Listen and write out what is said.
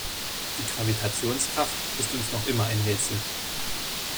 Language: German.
Die Gravitationskraft ist uns noch immer ein Rätsel.